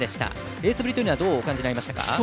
レースぶりというのはどうお感じになりましたか？